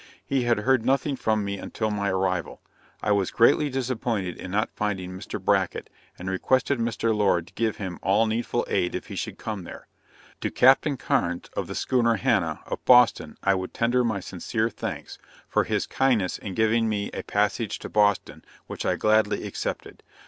He had heard nothing from me until my arrival. I was greatly disappointed in not finding Mr. Bracket, and requested Mr. Lord to give him all needful aid if he should come there. To Captain Carnes, of the schooner Hannah, of Boston, I would tender my sincere thanks, for his kindness in giving me a passage to Boston, which I gladly accepted.